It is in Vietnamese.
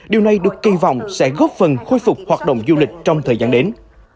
điều này được kỳ vọng sẽ góp phần khôi phục hoạt động du lịch trong thời gian đến